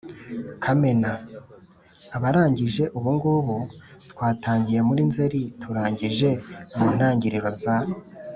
kamena.abarangije ubungubu, twatangiye muri nzeli turangije mu ntangiriro za